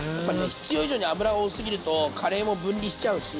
必要以上に脂が多すぎるとカレーも分離しちゃうし。